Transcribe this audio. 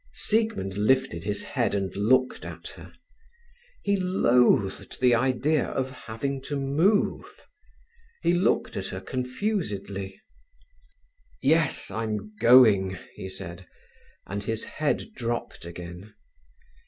Siegmund lifted his head and looked at her. He loathed the idea of having to move. He looked at her confusedly. "Yes, I'm going," he said, and his head dropped again.